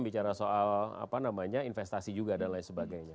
bicara soal investasi juga dan lain sebagainya